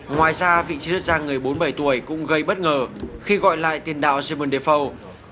ngoài ra vị trí đất gia người bốn mươi bảy tuổi cũng gây bất ngờ khi gọi lại tiền đạo simon defoe